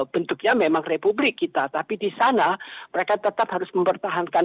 bentuknya memang republik kita tapi di sana mereka tetap harus mempertahankan